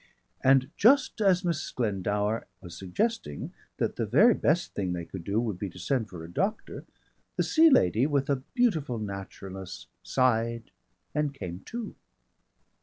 And just as Miss Glendower was suggesting that the very best thing they could do would be to send for a doctor, the Sea Lady with a beautiful naturalness sighed and came to.